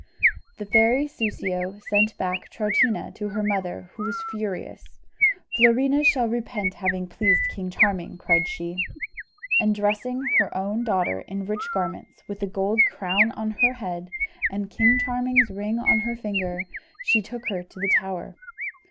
The fairy Soussio sent back Troutina to her mother, who was furious. "Florina shall repent having pleased King Charming!" cried she; and dressing her own daughter in rich garments, with a gold crown on her head, and King Charming's ring on her finger, she took her to the tower.